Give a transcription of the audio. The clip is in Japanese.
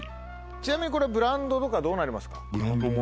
ちなみにこれブランドとかどうなりますか？